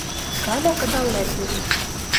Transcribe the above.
Каля кыдал лӓктеш.